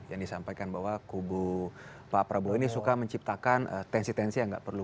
yang disampaikan bahwa kubu pak prabowo ini suka menciptakan tensi tensi yang nggak perlu